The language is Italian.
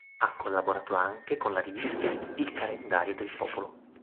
Ha collaborato anche con la rivista "Il Calendario del Popolo".